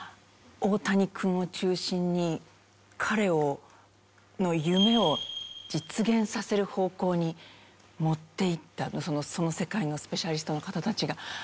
大谷君を中心に彼の夢を実現させる方向に持っていったその世界のスペシャリストの方たちが。